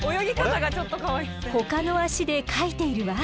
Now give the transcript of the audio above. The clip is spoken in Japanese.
ほかの足でかいているわ。